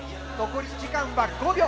残り時間は５秒！